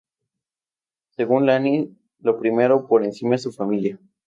Según Lani, lo primero por encima es su familia.